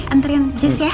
nganterin jess ya